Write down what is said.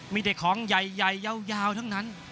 มีเด็กของใหญ่ใหญ่ยาวทั้งนั้น